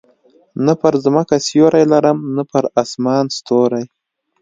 نه پر مځکه سیوری لرم، نه پر اسمان ستوری.